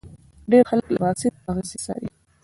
ډېر خلک د واکسین اغېزې څاري.